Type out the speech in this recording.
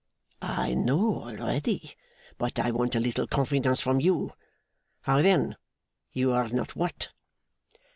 I know already, but I want a little confidence from you. How, then? You are not what?